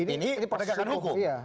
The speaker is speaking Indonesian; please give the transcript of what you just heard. ini perdagangan hukum